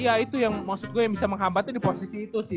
ya itu yang maksud gue yang bisa menghambatnya di posisi itu sih